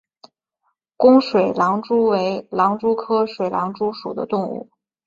弓水狼蛛为狼蛛科水狼蛛属的动物。